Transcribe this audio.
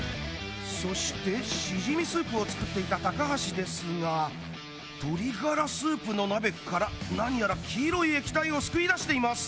そしてしじみスープを作っていた橋ですが鶏ガラスープの鍋から何やら黄色い液体をすくい出してます